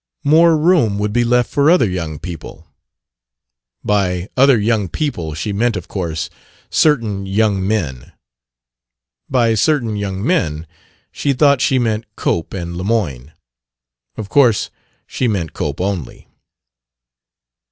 More room would be left for other young people. By "other young people" she meant, of course, certain young men. By "certain young men" she thought she meant Cope and Lemoyne. Of course she meant Cope only.